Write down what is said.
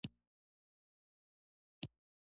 دوکان یې قرضدارانو ته ورتسلیم کړ.